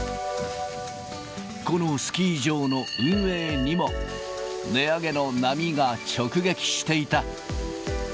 このスキー場の運営にも、値上げの波が直撃していた。